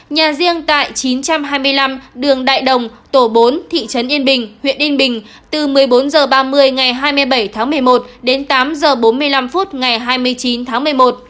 nhà riêng tại chín trăm hai mươi năm đường đại đồng tổ bốn thị trấn yên bình huyện yên bình từ một mươi bốn h ba mươi ngày hai mươi bảy tháng một mươi một đến tám h bốn mươi năm phút ngày hai mươi chín tháng một mươi một